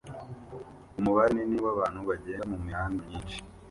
Umubare munini wabantu bagenda mumihanda myinshi